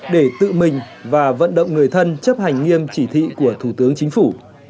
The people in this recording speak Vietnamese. để tự mình và vận động người thân chấp hành nghiêm chỉ thị của thủ tướng chính phủ